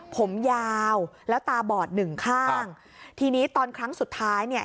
ผมยาวแล้วตาบอดหนึ่งข้างทีนี้ตอนครั้งสุดท้ายเนี่ย